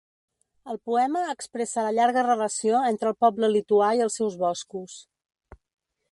El poema expressa la llarga relació entre el poble lituà i els seus boscos.